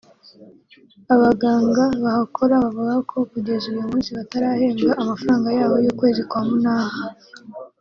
Abaganga bahakora bavuga ko kugeza uyu munsi batarahembwa amafaranga yabo y’ukwezi kwa munani